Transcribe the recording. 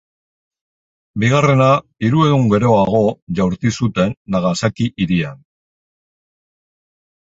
Bigarrena, hiru egun geroago jaurti zuten, Nagasaki hirian.